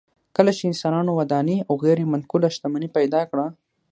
کله چې انسانانو ودانۍ او غیر منقوله شتمني پیدا کړه